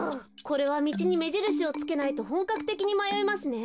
これはみちにめじるしをつけないとほんかくてきにまよいますね。